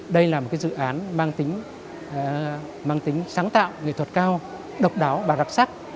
đây là một dự án mang tính sáng tạo nghệ thuật cao độc đáo và đặc sắc